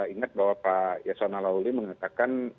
ingat bahwa pak yasona lauli mengatakan